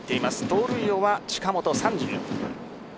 盗塁王は近本、３０。